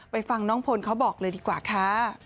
ฟังน้องพลเขาบอกเลยดีกว่าค่ะ